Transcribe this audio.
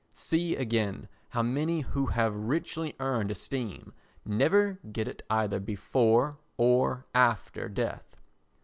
See, again, how many who have richly earned esteem never get it either before or after death.